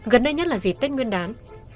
gần đây nhất là dịp tết nguyên đán